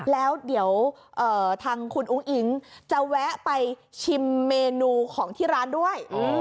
แล้วเดี๋ยวทางคุณอุ้งอิ๊งจะแวะไปชิมเมนูของที่ร้านด้วย